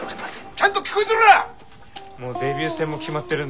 ちゃんと聞こえとるわ！